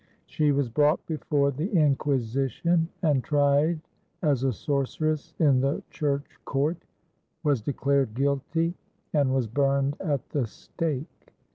She was brought before the Inquisition and tried as a sorceress in the Church Court, was declared guilty, and was burned at the stake.